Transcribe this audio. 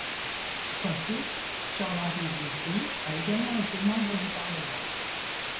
Son fils Charles Henry Bouverie a également été Membre du Parlement.